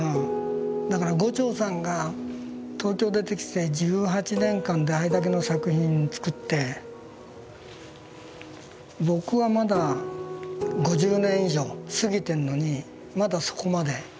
だから牛腸さんが東京出てきて１８年間であれだけの作品作って僕はまだ５０年以上過ぎてんのにまだそこまでいってるかどうか。